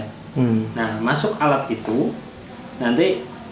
nah masuk alat itu nanti